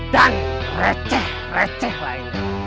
dan receh receh lainnya